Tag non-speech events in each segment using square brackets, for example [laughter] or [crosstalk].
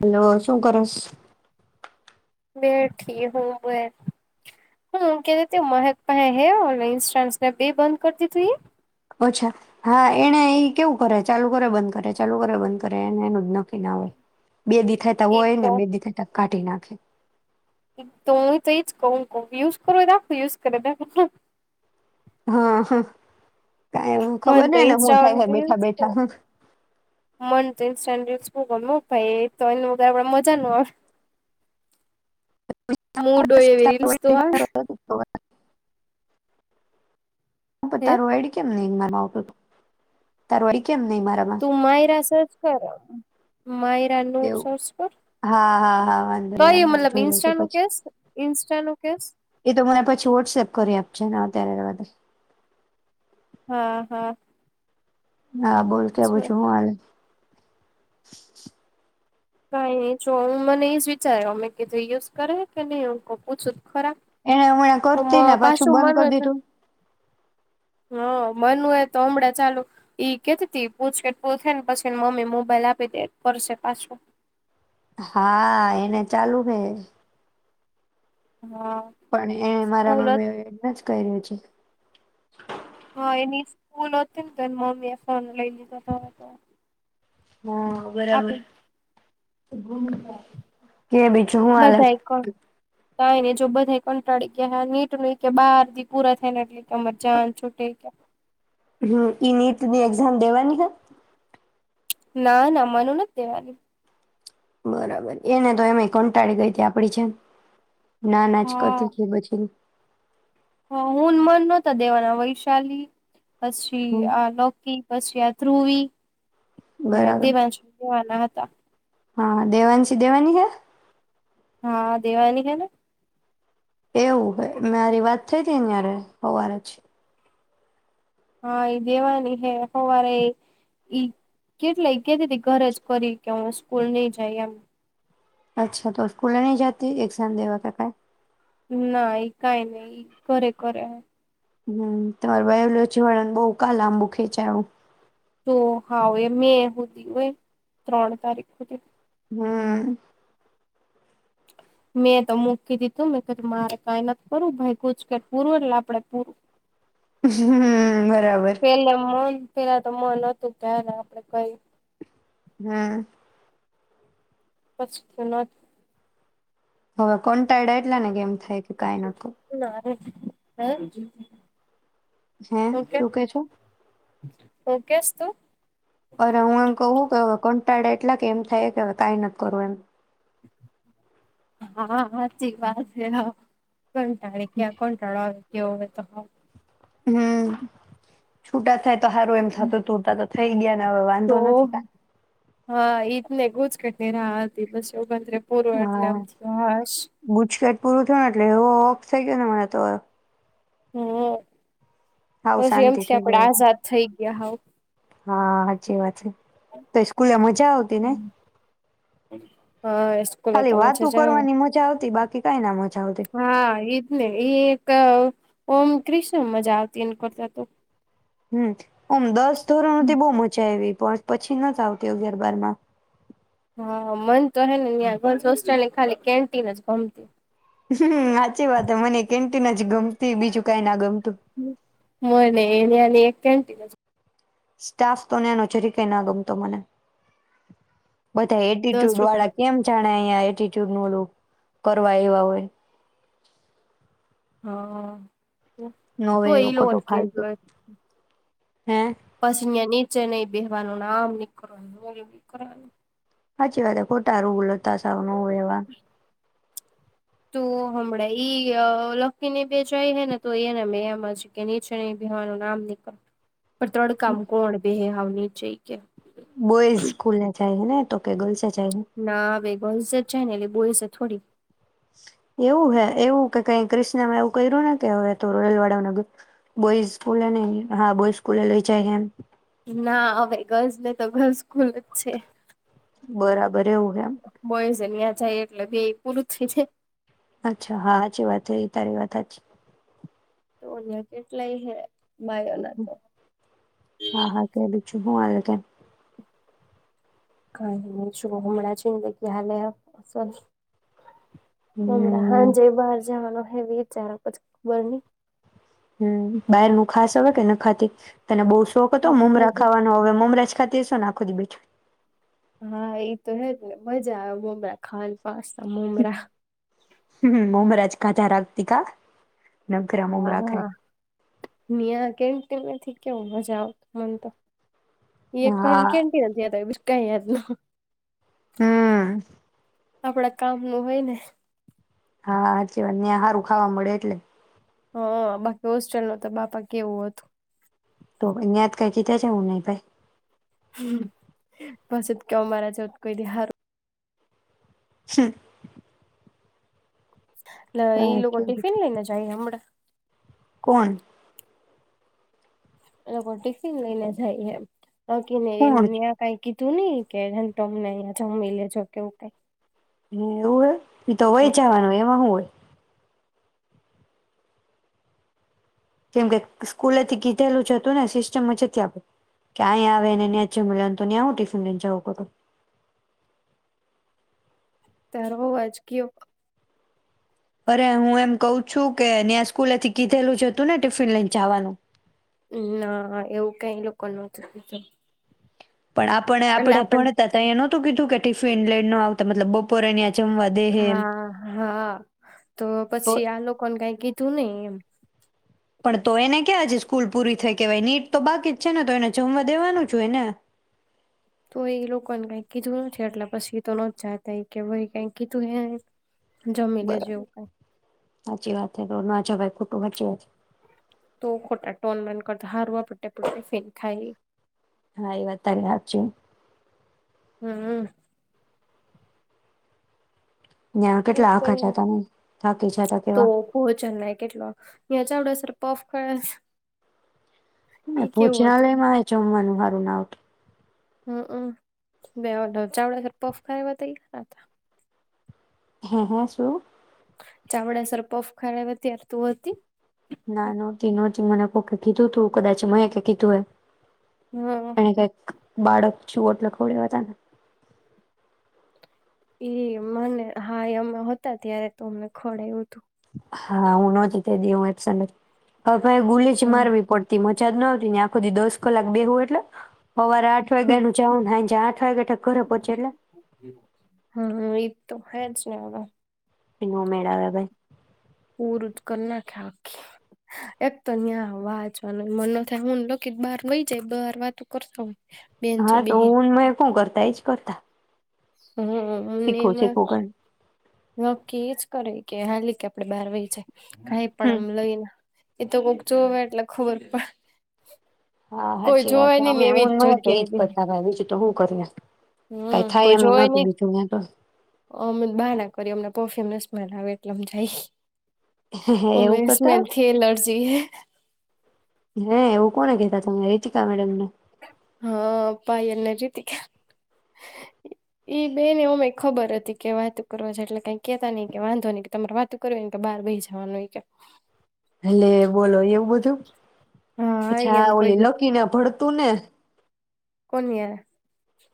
Hello, શું કરશ? બેઠી હું બે હું કે તે મત્ હે બે બંધ કરી દીધું એ અચ્છા હા એને ઈ કેવું કરે ચાલુ કરે બંધ કરે ચાલુ કરે બંધ કરે એને એનું જ નક્કી ના હોય. બે દી થાતા એ ઈ હોય ને તો બે દી થાતા કાઢી નાખે. તો હું તોઈ જ કહુ કહ યુઝ કરું દખવ યુઝ કરે દ. હા-હા. તો ઇા રસ તો તો બેઠા બેઠા ઇા રસ હુ કઉ મૂક ભાઈ ઈ તો એનું આપણે મજા નો આવે. મોૂડો એવી રીલસ્વા [inaudible] હ પ હે તારો એડ કે નઈ મારામાં આવતો તો, તારામાં આઈ ગયો? તું માયરા સર્ચ કર માયરાનું સોર્સ કર હા-હા. કયું મતલબ જો ઇન્સ્ટા લી નું કેસ ઇન્સ્ટા નું કેસ એ તો મને પછી વોટ્સએપ કરી આપ છે અત્યારે તો વધ હા-હા. હા બોલ કેવું છે હું હાલે કઈ નહીં જો હું મને ઈજ વિચાર આયો મેં કીધું યુઝ કરે હે કે નહીં લાવ પૂછું તો ખરા એને હું યા તો કરતી ને પાછું બંધ મનુ કરી છે દીધું. હા, મન હોય એ તો હમણાં ચાલુ ઈ કેતી પૂછ કેટ પૂરુ થાઈ ને પછીને મમ્મી મોબાઈલ આપી દે કરશે પાશુ હા, એને ચાલુ હે. હા પણ એ મારા સ્કૂલ મમ્મી [unintelligible] કયરુ છે. હા એની સ્કૂલ હતી ને તો એ મમ્મી એ ફોન લઈ લીધો હતો અવે તો હા, બરાબર. આપી [unintelligible] કે બીજું હું હાલે? કાઈ નહીં જો બધાએ કંટાળી ગયા ને આ નીટને કે બાર દી પૂરા થાય ને એટલે કે અમાર જાન છૂટે ગયા. હમ ઈ નીટ ની એક્ઝામ દેવાની હે? ના-ના, મનું નથ દેવાની. બરાબર, એને તો એમેય કંટાળી ગઈ તે આપણી જેમ. ના-ના જ કરતી તી પછી હ હુંન મનુ નહોતા દેવાના વૈશાલી પછી હમ આ લૌકિક. પછી આ ધ્રુવી. ને બરાબર દિવાશ કુવા [unintelligible] હા દેવાંશી દેવાની હે. હા દેવાની હે ને. એવું હો મારી વાત થઈ હતી ન્યારે હવારે જ. હા એઈ દેવાની હે સવારે ઈ કેટલા કેતી ઘર જ કરી કે હું સ્કૂલ નઈ જાય એમ. અચ્છા તો સ્કૂલે ન જતી એઝામ દેવા કરતા. ના એ કઈ નહી, ઘરે કરે કરે. હમ તમાર બાયોલોજી વાળાને બહ ક લાંબુ ખેંચાયું. તો હાવ એ મે હુધી હોય ત્રણ તારીખ હુધી. હમ. મેં તો મૂકી દીધું મે કધું મારે કઈ નથી કરવું ભાઈ ગુચકેટ પૂરું એટલે આપડે પૂરું. હમ બરાબર. પેલે મન પેલા તો મન હતું ત્યા ને આપડે કઈ. હા. પચી [unintelligible] હવે કો ટાઇડ એટલા ને ગમ થાય કે કઈ ન કર. હરે [unintelligible] હ્યાં શું કે છે? ઓકેસ તું. અ હું એમ કહું કે કંટાળા એટલા કે એમ થાય કે હ કઈ નથી કરવું એમ. હા હાચી વાત છે હ. કંટાળે ક્યા કોન્ટાળો આવે. યોગ હતો. હમ છૂટા થાય. તો હારો એમ સાથે તુ. થઈ ગયા. ના હવે તો વાંધો નથી ક. હા ઈ ને ગુંજ કેટ દેના હતી બસ એવું બ. પૂરો એટલે આમ હા થયું હાસ. ગુચકેટ પૂરું થયુંને એટલે એવું ઓપ થઈ ગયો ને મને તો. હમ. હાવ પછી શાંતિ એમથી થઈ આપડે ગઈ હતી આઝાદ થઈ. ક્યા હાવ. હા હાચી વાત છે. તો સ્કૂલે મજા આવતી ને, હા સ્કૂલે તો ખાલી વાતો મજા જ આવે કરવાની મજા આવતી બાકી. કે કઈ ના. મજા આવતી હા એને એ ઓમ કૃષ્ણ મજા આવતી એને કરતો. હમ. ઓમ દસ ધોરણો થી બહુ મચા આઇવિ. પણ પછી ન જ આવતી અગિયાર બારમાં. હા મન તો હે ને હોસ્ટેલ ખાલી કેન્ટીન જ ગમતી. હમ સાચી વાત મને કેન્ટીન જ ગમતી બીજું કઈ ના ગમતી. તો મોને એની એક ઘટી સ્ટાફ તોને ન ઓચરી ક ના ગમતો મને. બધા દસ એટીટ્યુડ રૂપિયા વાળા કેમ જણાય. કરવાવા હોય. હા. નવે તું એવો એ લોલ ખોટો ફાલતુ કેટલો? હે. પછી યાં નીચે નહી બેહવાનું આમ નીકરવાનું સાચી વાત હે ખોટા રુલ તા સાવ નો હોય એવા. તો હમણાં ઈ ય લકી ની બે જાય હે ને તો એને મેં એમ જ કે નીચેની બેહવાનું આમ નીકળ પણ તડકામાં કોણ બેહે હાવ? નીચે ય કેમ બોય સ્કૂલને જાય હે ને? તો કે ગર્લ્સ જ ના આવે. ગર્લ્સ જ છે ને એટલે બોઈઝ થોડી. એવું હે એવું કે કઈ ક્રિષ્નામાં એવું કર્યું ને કે હવે તો રેલવાળાઓના બોઈઝ સ્કૂલે નઈ હા બોઈ સ્કૂલે લઈ જાય એમ. ના હવે ગર્લ્સ ને તો ગર્લ્સ ખૂલ જ છે. બરા બોયઝ અયા જાય એટલે બે એ પૂરું થઈજાય. અચ્છા હા હાચી વાત થઈ તારી વાત હાચી. તો અહિયાં કેટલાય હે માય હા હા કે [unintelligible] કઈ નહિ છો હમણાં જિંદગી હાલે હ હમડા હા હમ જે બહાર જવાનો. [unintelligible] હમ્મ બહાર નો ખાસ આવે કે ન ખાતી, તને બો શોખ તો હા મમરા મજા ખાવાનોવે હવે મમર ખાતી હશેને આખો દિવસ. હા ઈ તો હેજ ને મજા આવે મોમરા ખાન હમ્મ મમરાજ. [unintelligible] હા હા, કેમ કે નથી. કેવું મજા આવત મન તો. એક વાર હા કે [unintelligible] કંઈય જ નઈ. હ. આપણા કામ નું હોય ને. હા હાચી વાત ને હારુ ખાવા મળે એટલે. હા બાકી હોસ્ટેલ ન તો બાપા કેવું હતું. તો અહીંયા કઈ કીધા છે કે નહી ભાઈ. [unintelligible] [inaudible] એટલે એઈ લોકો સાચું. ટિફિન લઈને જાય હમણાં? કોણ? એ લોકો ટિફિન લઈને જાય એમ. ઓકે કોણ છે? નને કઈ તું નહ કેમને અહંયા જમી લેજો કેવું કઈ. હ એવું હોય, પી તો વહીચાવાનું હોય એમાં શું હોય. કેમ કે સ્કૂલેથી કીધેલું જ હતું ને સિસ્ટમ જ આપડે, કે અહીયા આવે ને ન્યાચ મળને તો ને આવું ટ્યશન લઈને જવું પડું. તાર બહ વાજકીયો. અરે હું એમ કહ છું કે ત્યાં સ્કૂલેથી કીધેલું જતું ને ટિફિન લઈને જવાનું. ના એવું કઈ લોકો નહોતું. પણ આપણે આપડે ભણતા નું કીધું કે ટિફિન લઈ નો આવતા. મતલબ બપોરેની હા હા તો તો પછી આ લોકોને કઈ કીધું નઈ એમ. પણ તો એને ક્યાં છે સ્કૂલ પૂરી થઈ કેવાય નીટ તો બાકી જ છે ને તો એને જમવા દેવાનું છું એને. તો એ લોકોને કઈ કીધું નથી એટલે પછી તો ન જાતા એ કે ભ કઈ કીધું હ બરાબર, સાચી વાત છે રોના જ ભય કુટુંબ જવા. તો ખોટા ટોન બન કરતા હારવા પટ્ટયા પટ ફેન ખાઈ હા એ વાત ત્યારે હાચી. હમ. ન્યા કેટલા આખા કઈ જતા ને થાકી જતા તો કેવા કોહ ચર ના કેટલો યાં ચાવડાસર પફ ખરસ ભૂજનાલયમાં જમવાનું સરું ના આવતું. હમમ બે ચાવડાફ ખા ત હતા. હા હા શું? ચામડાસર પફ ખા ત્ય્યારે તું હતી? ના નોતી ન ત મને ઓકે કીધું તું કદાચ મ કે કીધું એ. હા અને કઈ બાળક છ ઓટ લખવડે હો હતાના. એ મને હા અમે હતા ત્યારે તો અમને ખોડું હતું. હા હું નહોતી તે દે હું એક ગુલી જ મારવી પડતી મ જદ ન આવતી ન આખું દી દોસ કલાક બેવું એટલે. હવારે આઠ નું જાવ ને હાંજે આઠ [inaudible] પહોંચે એટલે હા એ તો હે જ ને ઓ તનું મેળ ભાઈ. પૂરું જ કરી નાખે આખી એક તો ન્યાં વાચવાનું મ થાય હું લખ બહાર નઈ જાય બહાર વાતો કરશ. હા તો હું મે શું કરતા એજ કરતા. હમ્મ શીખવું એમાં શીખવું કરીને નક્કી જ કરાય કે હાલી કે આપડે બહાર વહી જાય. કઈ પણ હમ આમ લઈને. એ તો કોકચોવે એટલે ખબર પડે. હા કોઈ સાચી વાત જોવે છે નઈ ને અમે એ એવી ન કે એજ પતા ભાઈ બીજું. તો હું કરીએ. હમ્મ કઈ થાય કોઈ એમ જોય નહોતું નહી બીજું ન્યા તો અમે બહાર ના કરી અમને. પરફ્યુમને સ્મેલ આવે એટલેમ જાય. હે હે ઉ એવું કરતા સ્મેલ થી એલર્જી હૈ. હે એવું કોને કહેતા ત રીચિકા મેડમ ને. હા પાયલને રિતિકા ઈ બે ને અમે ખબર હતી કે વાતો કરવા છે એટલે કઈ કેતા નઈ કે વાંધો નઈ કે તમારે વાતું કરવી કે બાર બેહી જવાનું કે. ને લે બોલો એવું બધું હા અચ્છા એમ કોઈ ઓલી દી લકીને ભરતું ને. કોની.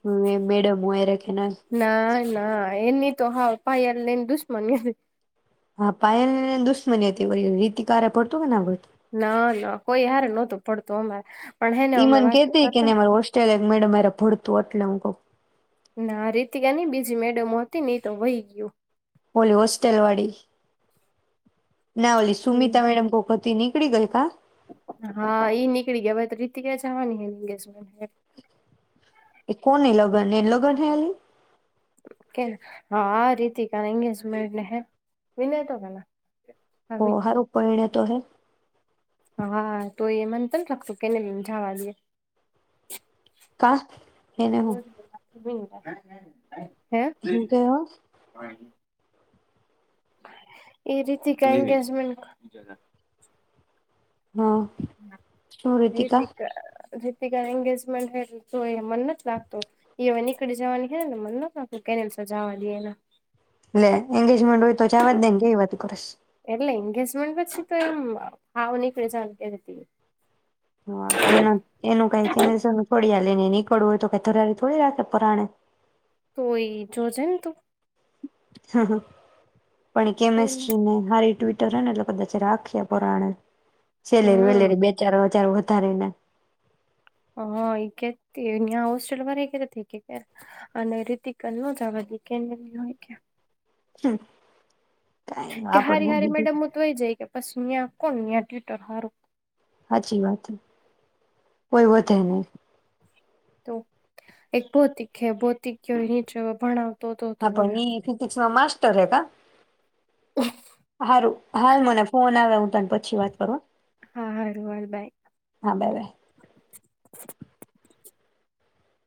હમ્મ એ મેડમ હોય ર કે ના. ના ના એની તો હા પાયા લઈને દુશ્મને. હા પાયાલને દુશ્મની હતી ઓલી રીતિકારે પડતું કેને. ના ના કોઈ હાર નહતું પડતું અમારે. પણ હેને અમે ઈમન વાતો કેતી કેને કરતા અમાર હોસ્ટેલિયા મેડમ મારે ભરતું હતું પટલંગો. ના રીતિકા નઈ બીજી મે મોતી નહી તો વહી ગયું. ઓલી હોસ્ટેલ વાળી ના ઓલી હમ સુમીતા મેડમ કોક હતી ને કકડી ગઈ કા? હા ઈ નીકળી ગયા હવે રીતિકા ય જવાની હૈ એ કોને લગ્ન એ લગ્ન હલી? કે હા આ રિતિકા એંગેજમેન્ટને હે વિનતો વાળા? ઓ હારુ પયના. તો હૈ. હા તો એ મન તો રાખતો કેને લને જવા દયે. કા એને હું? [inaudible] હું કયો હો? એ રીતે કે એન્ંગેજમેન્ટ હા શું રીતિકા રીતિક રી એેજમેન્ટ તો મન નથી લાગતું એ હવે નીકળી જવાની ને મન નથી લાગતું કેને સજાવા દેએ એના. એલે એંગેજમેન્ટ હોય તો છેવાજ ને કેત કરે? એટલે એંગેજમેન્ટ પછી તો એમ હાવનીક ર હતી. હા એના એનું ક કે એને થોડી દ ને નીકળવું હોય તો કેરી થોડી રાખે પરાણે. તોય જોજેમ તું હા હા. પણ એમ કેમેિસ્ટ્રી ને હારી ટ્ બતા છે રાક્ષી પોરાનું. સેલેરી હમ વેલેરી બે ચારોચારો ધારીને હા એ કે હોસ્ટેલ વાળ કે રીતિક ન જવા દ [unintelligible] હમ. કે હારી હારી મેડમ હું તોય જઈ કે પછી. તયા કોણયા ટ્વવીટર હારુ. સાચી વાત, કોઈ વધે નહ. તો એક ભૌતિક-ભૌતિક નીચ ભણાવ હા પણ ઈ ફિઝિક્સ માં મા સ્ટર હે કા સારું હાલ મને ફોન આવે હ પછી વાત કરો આ. હારૂ હારુ બાય. Bye by